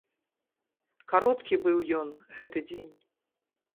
Кароткі быў ён, гэты дзень.